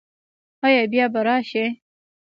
ایا بیا به راشئ؟